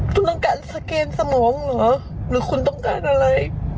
คุณต้องการสแกนสมองเหรอหรือคุณต้องการอะไร